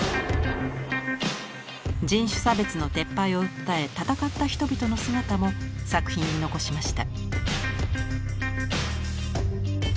人種差別の撤廃を訴えたたかった人々の姿も作品に残しました。